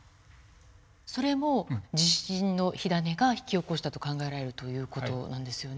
それも地震の火種が引き起こしたと考えられるという事なんですよね。